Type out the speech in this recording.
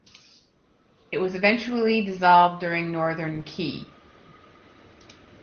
It was eventually dissolved during Northern Qi.